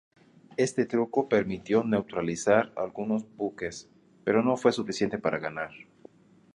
Este truco permitió neutralizar algunos buques, pero no fue suficiente para ganar.